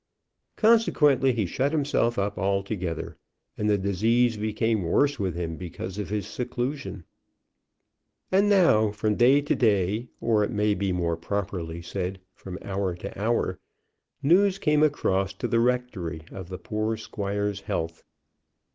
Consequently he shut himself up altogether, and the disease became worse with him because of his seclusion. And now from day to day, or, it may be more properly said, from hour to hour, news came across to the rectory of the poor squire's health.